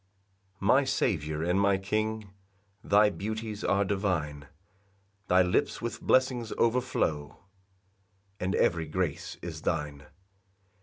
1 My Saviour and my King, Thy beauties are divine; Thy lips with blessings overflow, And every grace is thine.